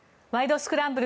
スクランブル」